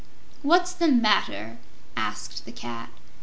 "What's the matter?" asked the Cat.